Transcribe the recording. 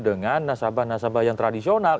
dengan nasabah nasabah yang tradisional